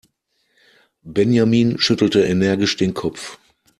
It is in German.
Benjamin schüttelte energisch den Kopf.